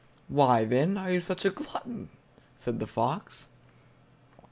"Why, then, are you such a glutton?" said the fox.